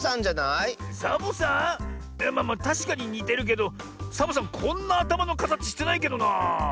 いやまあまあたしかににてるけどサボさんはこんなあたまのかたちしてないけどなあ。